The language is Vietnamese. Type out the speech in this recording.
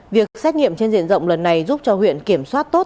việc xét nghiệm trên diện rộng lần này giúp cho huyện kiểm soát tốt